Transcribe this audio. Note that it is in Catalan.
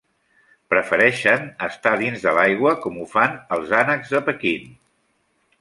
Prefereixen estar dins l'aigua com ho fan els ànecs de Pequín.